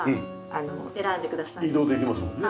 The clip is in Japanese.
移動できますもんね。